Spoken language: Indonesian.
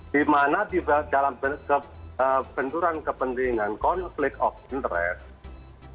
di mana di dalam benturan kepentingan konflik of interest